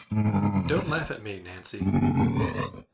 Don't laugh at me, Nancy!